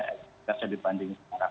jika saya dibandingkan